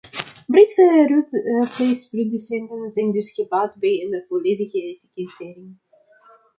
Britse rundvleesproducenten zijn dus gebaat bij een volledige etikettering.